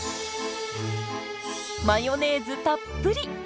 マヨネーズたっぷり！